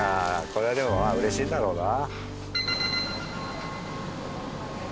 これはでも嬉しいんだろうな。